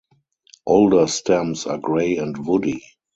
Older stems are grey and woody.